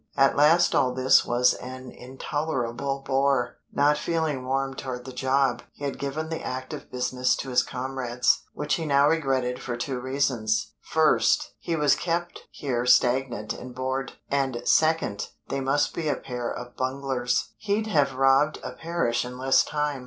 At last all this was an intolerable bore. Not feeling warm toward the job, he had given the active business to his comrades, which he now regretted for two reasons. First, he was kept here stagnant and bored; and second, they must be a pair of bunglers; he'd have robbed a parish in less time.